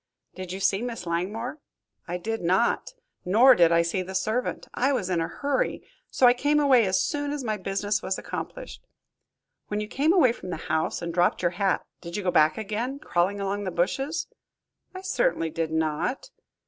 "Did you see Miss Langmore?" "I did not, nor did I see the servant. I was in a hurry, and so I came away as soon as my business was accomplished." "When you came away from the house and dropped your hat, did you go back again, crawling along by the bushes?" "I certainly did not."